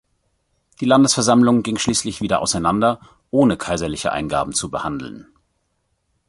Die Landesversammlung ging schließlich wieder auseinander, ohne kaiserliche Eingaben zu behandeln.